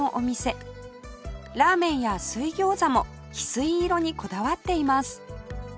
ラーメンや水餃子も翡翠色にこだわっています